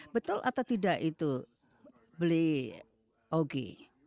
betul atau tidak itu beli ogi